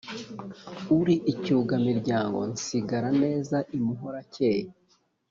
Uri icyuga miryango nsigara neza imuhorakeye